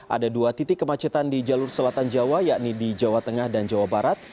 ada dua titik kemacetan di jalur selatan jawa yakni di jawa tengah dan jawa barat